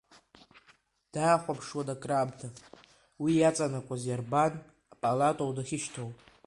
Дахәаԥшуан акраамҭа, уи иаҵанакуаз иарбан палатоу дахьышьҭоу?